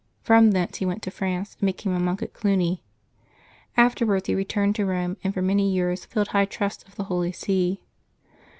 From thence he went to France, and became a monk at Cluny. Afterwards he returned to Eome, and for many years filled high trusts of the Holy See.